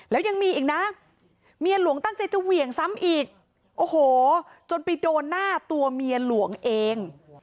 แล้วยังมีอีกนะเมียหลวงตั้งใจจะเหวี่ยงซ้ำอีกโอ้โหจนไปโดนหน้าตัวเมียหลวงเอง